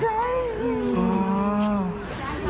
ใช่